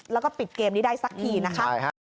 แล้วก็ปิดเกมนี้ได้สักทีนะคะ